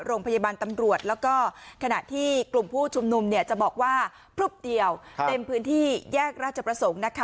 โรงพยาบาลตำรวจแล้วก็ขณะที่กลุ่มผู้ชุมนุมจะบอกว่าพลุบเดียวเต็มพื้นที่แยกราชประสงค์นะคะ